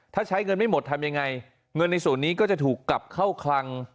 ถ้าใช้เงินไม่หมดทำยังไงเงินในส่วนนี้ก็จะถูกกลับเข้าคลัง